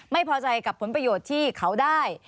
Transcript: ไม่พอใจกับผลประโยชน์ที่เขาได้